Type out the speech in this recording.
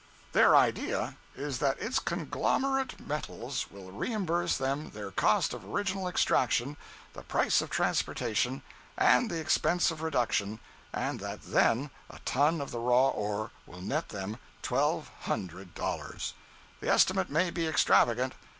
Their idea is that its conglomerate metals will reimburse them their cost of original extraction, the price of transportation, and the expense of reduction, and that then a ton of the raw ore will net them twelve hundred dollars. The estimate may be extravagant.